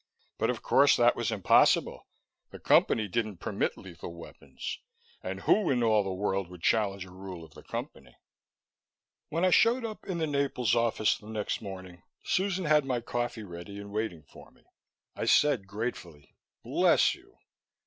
But, of course, that was impossible. The Company didn't permit lethal weapons, and who in all the world would challenge a rule of the Company? When I showed up in the Naples office the next morning, Susan had my coffee ready and waiting for me. I said gratefully, "Bless you."